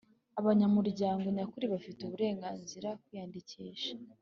Abanyamuryango nyakuri bafite uburenganzira kwiyandikisha